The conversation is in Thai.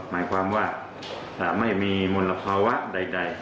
หมายความว่าจะไม่มีมลภาวะใด